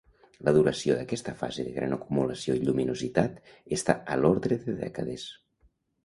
La duració d'aquesta fase de gran acumulació i lluminositat està a l'ordre de dècades.